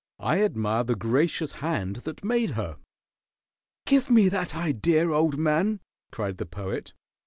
I admire the gracious Hand that made her." "Give me that idea, old man!" cried the Poet.